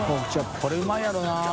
これうまいやろうな。